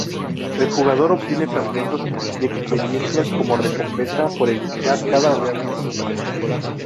El jugador obtiene fragmentos y experiencia como recompensa por eliminar cada oleada de enemigos.